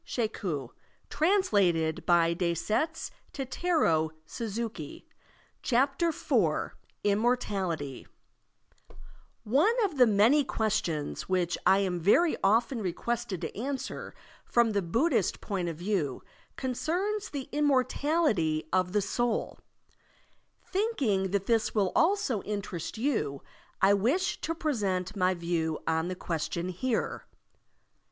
Digitized by Google IMMORTALITY^ ONE of the many questions which I am very often requested to answer from the Bud dhist point of view concerns the immortality of the soul. Thinking that this will also interest you, I wish to present my view on the question here.